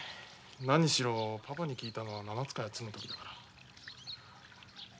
何しろパパに聞いたのは７つか８つの時だから。